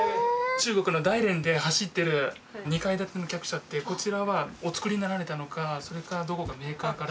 中国の大連で走ってる２階建ての客車ってこちらはお作りになられたのかそれかどこかメーカーから？